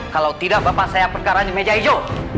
kalau tidak bapak saya perkaranya meja hijau